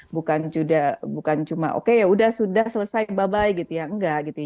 bukan cuma oke yaudah sudah selesai bye bye gitu ya enggak gitu ya